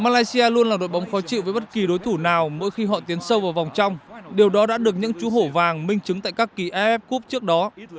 malaysia luôn là đội bóng khó chịu với bất kỳ đối thủ nào mỗi khi họ tiến sâu vào vòng trong điều đó đã được những chú hổ vàng minh chứng tại các kỳ iff cup trước đó